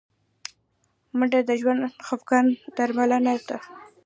منډه د ژور خفګان درملنه ده